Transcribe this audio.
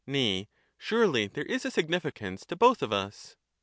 Nay, surely there is a significance to both of us.